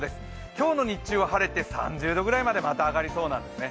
今日の日中は晴れてまた３０度ぐらいまで上がりそうなんですね。